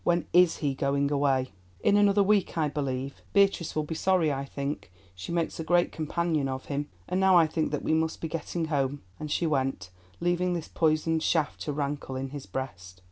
When is he going away?" "In another week, I believe. Beatrice will be sorry, I think; she makes a great companion of him. And now I think that we must be getting home," and she went, leaving this poisoned shaft to rankle in his breast.